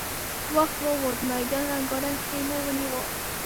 وخت ووت، ميدان رنګارنګ خيمو ونيو.